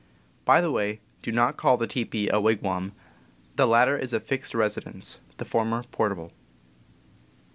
By the way, do not call the teepee a wigwam; the latter is a fixed residence, the former portable.